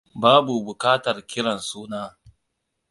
Babu bukatar kiran suna.